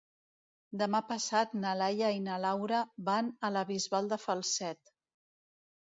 Demà passat na Laia i na Laura van a la Bisbal de Falset.